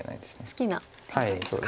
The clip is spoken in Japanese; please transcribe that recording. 好きな展開ですか。